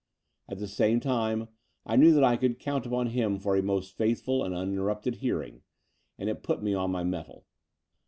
At the same time, I knew that I could count upon him for a most faithful and uninterrupted hearing: and it put me on my mettle.